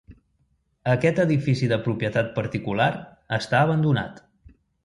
Aquest edifici de propietat particular està abandonat.